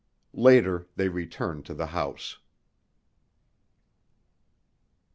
Later they returned to the house.